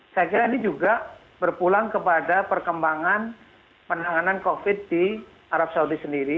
saya kira ini juga berpulang kepada perkembangan penanganan covid di arab saudi sendiri